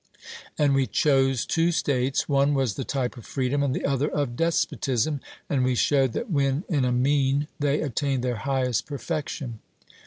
And we chose two states; one was the type of freedom, and the other of despotism; and we showed that when in a mean they attained their highest perfection.